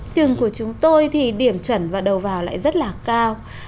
trường của chúng tôi thì điểm chuẩn và đầu vào lại rất là cao